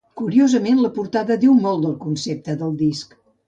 Curiosament la portada diu molt del concepte del disc.